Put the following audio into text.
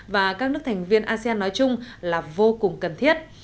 và các nước thành viên asean nói chung là vô cùng cần thiết